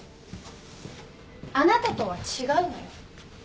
あなたとは違うのよ。